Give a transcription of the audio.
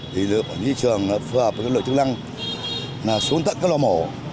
thì lực lượng của thị trường phù hợp với các loại chức năng là xuống tận các lo mổ